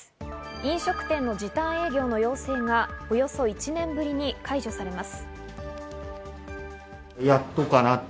飲食店の時短営業の要請がおよそ１年ぶりに解除されます。